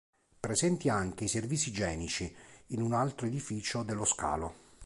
Presenti anche i servizi igienici in un altro edificio dello scalo.